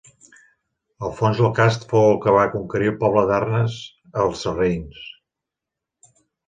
Alfons el Cast fou el que va conquerir el poble d'Arnes als sarraïns.